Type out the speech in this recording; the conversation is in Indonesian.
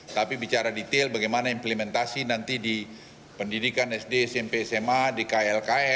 tapi bicara detail bagaimana implementasi nanti di pendidikan sd smp sma di klks